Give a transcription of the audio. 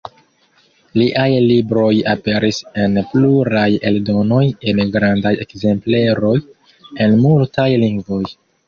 Liaj libroj aperis en pluraj eldonoj en grandaj ekzempleroj, en multaj lingvoj.